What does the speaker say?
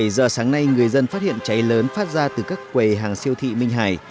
bảy giờ sáng nay người dân phát hiện cháy lớn phát ra từ các quầy hàng siêu thị minh hải